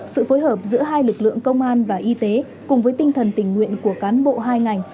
sự phối hợp giữa hai lực lượng công an và y tế cùng với tinh thần tình nguyện của cán bộ hai ngành